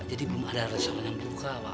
jadi belum ada restoran yang buka pak